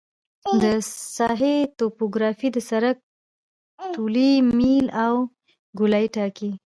د ساحې توپوګرافي د سرک طولي میل او ګولایي ټاکي